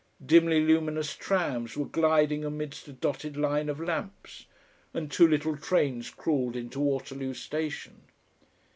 Dimly luminous trams were gliding amidst a dotted line of lamps, and two little trains crawled into Waterloo station.